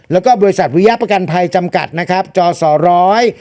แล้วก็บริษัทวิยประกันภัยจำกัดนะครับจอสอร้อย